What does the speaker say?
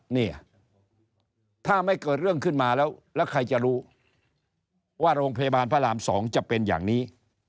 เนี่ยถ้าไม่เกิดเรื่องขึ้นมาแล้วแล้วใครจะรู้ว่าโรงพยาบาลพระราม๒จะเป็นอย่างนี้